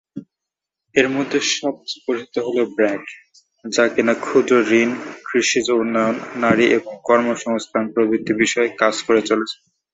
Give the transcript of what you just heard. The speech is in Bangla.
এর মধ্যে সবচেয় পরিচিত হল ব্র্যাক যা কিনা ক্ষুদ্রঋণ, কৃষিজ উন্নয়ন, নারী এবং কর্মসংস্থান প্রভৃতি বিষয়ে কাজ করে চলেছে।